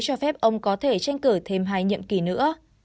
cho phép ông có thể tranh cử thêm hai nhiệm kỳ nữa